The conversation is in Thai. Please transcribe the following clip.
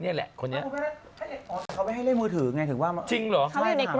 เท่ดีเลยเพราะว่าผมว่างอยู่ในนี้